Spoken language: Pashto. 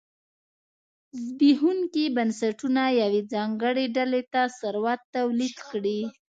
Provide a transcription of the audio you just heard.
زبېښونکي بنسټونه یوې ځانګړې ډلې ته ثروت تولید کړي.